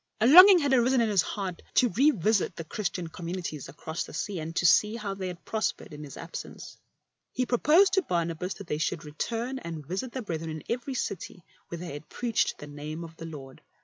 A longing had arisen in his heart to revisit the Christian communities across the sea, and to see how they had prospered in his absence. He pro posed to Barnabas that they should return and visit the brethren in every city where they had preached the name of the Lord.